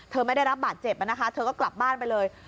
ไม่ได้รับบาดเจ็บนะคะเธอก็กลับบ้านไปเลย